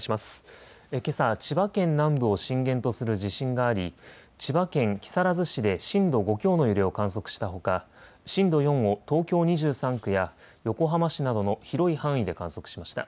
けさ、千葉県南部を震源とする地震があり、千葉県木更津市で震度５強の揺れを観測したほか、震度４を東京２３区や横浜市などの広い範囲で観測しました。